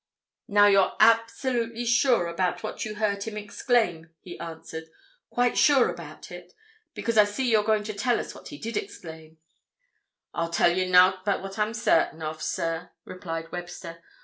"Now, you're absolutely sure about what you heard him exclaim?" he asked. "Quite sure about it? Because I see you are going to tell us what he did exclaim." "I'll tell you naught but what I'm certain of, sir," replied Webster.